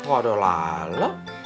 kok ada lalep